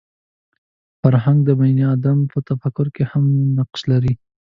فرهنګ د بني ادم په تفکر کې مهم نقش لري